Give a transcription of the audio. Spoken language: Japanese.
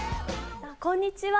こんにちは。